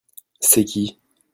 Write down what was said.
C'est qui ?